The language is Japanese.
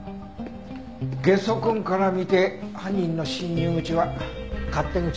ゲソ痕から見て犯人の侵入口は勝手口だね。